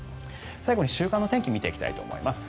最後に週間の天気を見ていきたいと思います。